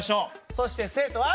そして生徒は。